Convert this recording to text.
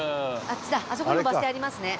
あそこもバス停ありますね。